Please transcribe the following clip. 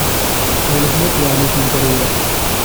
Helken akk lehlak n trewla.